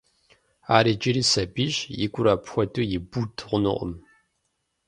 Ар иджыри сабийщ, и гур апхуэдэу ибуд хъунукъым.